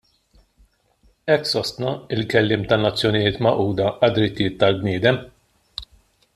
Hekk sostna l-kelliem tan-Nazzjonijiet Magħquda għad-Drittijiet tal-Bniedem.